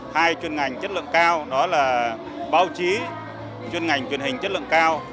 hai chuyên ngành chất lượng cao đó là báo chí chuyên ngành truyền hình chất lượng cao